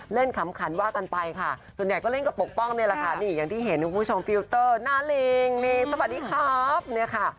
ขำขันว่ากันไปค่ะส่วนใหญ่ก็เล่นกับปกป้องนี่แหละค่ะนี่อย่างที่เห็นคุณผู้ชมฟิลเตอร์หน้าลิงนี่สวัสดีครับเนี่ยค่ะ